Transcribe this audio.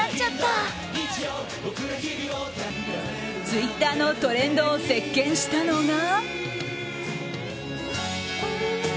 ツイッターのトレンドを席巻したのが。